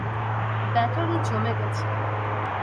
Battery জমে গেছে।